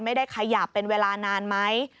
ไม่ได้ขยับเป็นเวลานานไหม